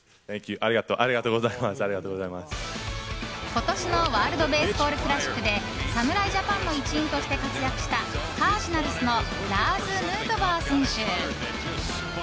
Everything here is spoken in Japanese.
今年のワールド・ベースボール・クラシックで侍ジャパンの一員として活躍したカージナルスのラーズ・ヌートバー選手。